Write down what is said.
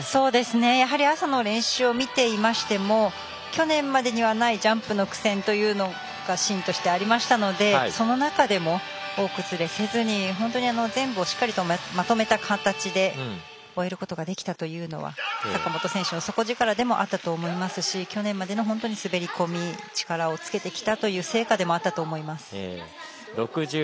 やはり朝の練習を見ていましても去年までにはないジャンプの苦戦というのがシーンとしてありましたのでその中でも大崩れせずに本当に、全部をしっかりとまとめた形で終えることができたというのは坂本選手の底力でもあったと思いますし去年までの本当に滑り込み、力をつけてきたという成果でもあったと思います。